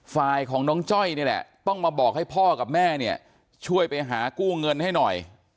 ฝ่ายของน้องจ้อยนี่แหละต้องมาบอกให้พ่อกับแม่เนี่ยช่วยไปหากู้เงินให้หน่อย